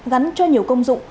gắn cho nhiều công dụng